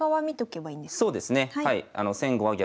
そうですねはい。